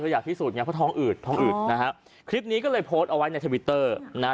อยากพิสูจนไงเพราะท้องอืดท้องอืดนะฮะคลิปนี้ก็เลยโพสต์เอาไว้ในทวิตเตอร์นะฮะ